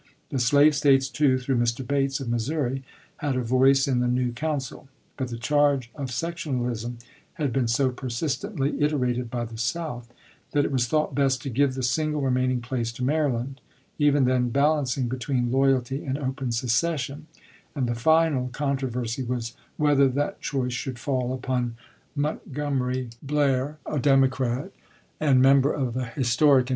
The slave States too, through Mr. Bates, of Missouri, had a voice in the new council; but the charge of sectionalism had been so persistently iterated by the South, that it was thought best to give the single remaining place to Maryland, even then balancing between loyalty and open secession ; and the final controversy was whether that choice should fall upon Montgomery MONTGOMERY BLAIR. LINCOLN'S CABINET 369 Blair, a Democrat, and member of a historic and ch. xxii.